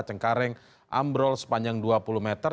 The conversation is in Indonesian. cengkareng ambrol sepanjang dua puluh meter